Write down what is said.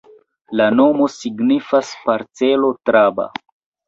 La nomo signifas parcelo-traba.